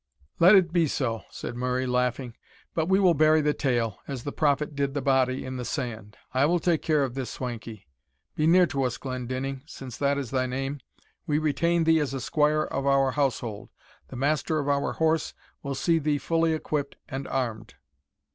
"Let it be so," said Murray, laughing; "but we will bury the tale, as the prophet did the body, in the sand. I will take care of this swankie. Be near to us, Glendinning, since that is thy name. We retain thee as a squire of our household. The master of our horse will see thee fully equipped and armed."